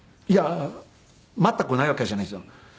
いや全くないわけじゃないですよ。